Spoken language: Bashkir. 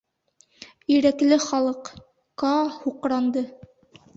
— Ирекле Халыҡ...— Каа һуҡранды.